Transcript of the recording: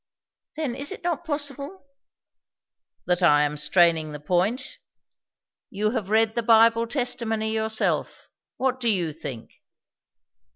"Then, is it not possible " "That I am straining the point? You have read the Bible testimony yourself; what do you think?"